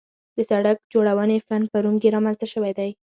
د سړک جوړونې فن په روم کې رامنځته شوی دی